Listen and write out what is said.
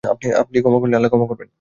আপনি ক্ষমা করলেই আল্লাহ ক্ষমা করবেন।